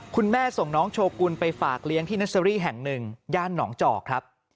คุณแม่ส่งน้องโชกุลไปฝากเลี้ยงที่เนอร์เซอรี่แห่งหนึ่งย่านหนองจอกครับ